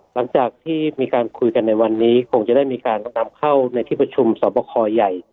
หลังจากที่มีการคุยกันในวันนี้คงจะได้มีการนำเข้าในที่ประชุมสอบคอใหญ่